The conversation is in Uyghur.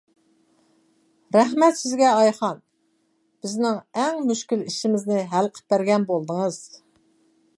رەھمەت سىزگە، ئايخان، بىزنىڭ ئەڭ مۈشكۈل ئىشىمىزنى ھەل قىلىپ بەرگەن بولدىڭىز.